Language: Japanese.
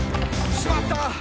「しまった！